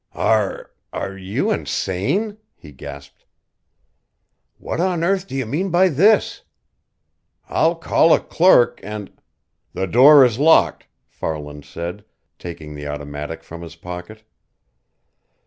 "Are are you insane?" he gasped. "What on earth do you mean by this? I'll call a clerk and " "The door is locked," Farland said, taking the automatic from his pocket.